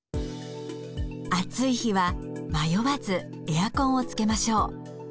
暑い日は迷わずエアコンをつけましょう。